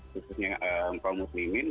khususnya kaum muslimin